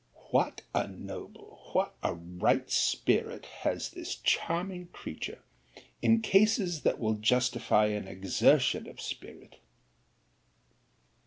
What a noble, what a right spirit has this charming creature, in cases that will justify an exertion of spirit!